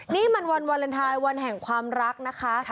นี่มันวันวาเลนไทยวันแห่งความรักนะคะ